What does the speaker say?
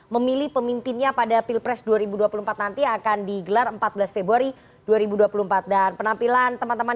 memilih pemimpinnya pada pilpres dua ribu dua puluh empat nanti akan digelar empat belas februari dua ribu dua puluh empat dan penampilan teman teman